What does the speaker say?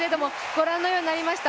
ご覧のようになりました